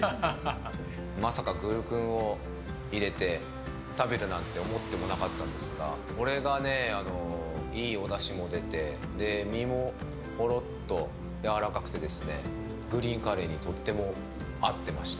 まさかグルクンを入れて食べるなんて思ってもなかったんですがこれがいいおだしも出て身もほろっとやわらかくてグリーンカレーにとっても合ってました。